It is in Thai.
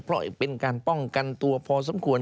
เพราะเป็นการป้องกันตัวพอสมควร